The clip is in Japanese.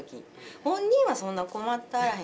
本人はそんな困ってあらへんと思う。